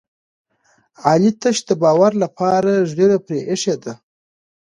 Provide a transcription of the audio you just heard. علي تش د باور لپاره ږېره پرې ایښې ده.